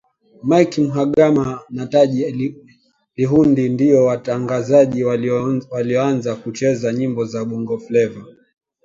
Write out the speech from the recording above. Mike mhagama na taji lihundi ndio watangazaji walioanza kucheza nyimbo za bongofleva